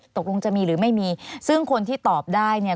ตกลงจะมีหรือไม่มีซึ่งคนที่ตอบได้เนี่ย